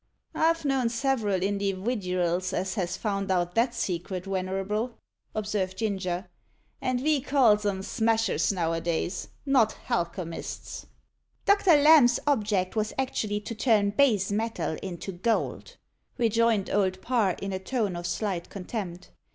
"I've known several indiwiduals as has found out that secret, wenerable," observed Ginger. "And ve calls 'em smashers, nowadays not halchemists." "Doctor Lamb's object was actually to turn base metal into gold," rejoined Old Parr, in a tone of slight contempt.